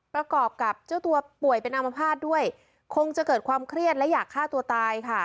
ประกอบกับเจ้าตัวป่วยเป็นอามภาษณ์ด้วยคงจะเกิดความเครียดและอยากฆ่าตัวตายค่ะ